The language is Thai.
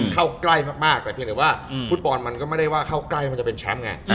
เข้าใกล้มากแต่เพียงแต่ว่าฟุตบอลมันก็ไม่ได้ว่าเข้าใกล้มันจะเป็นแชมป์ไง